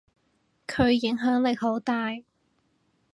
佢影響力好大。